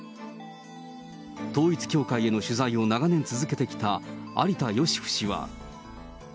統一教会への取材を長年続けてきた有田芳生氏は。